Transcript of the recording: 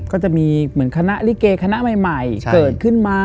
ก็จะมีเหมือนคณะลิเกคณะใหม่เกิดขึ้นมา